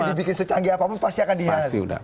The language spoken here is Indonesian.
jadi dibikin secanggih apa pun pasti akan dihias